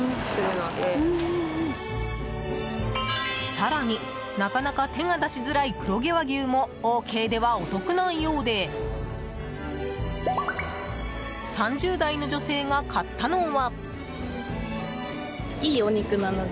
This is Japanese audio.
更に、なかなか手が出しづらい黒毛和牛もオーケーではお得なようで３０代の女性が買ったのは。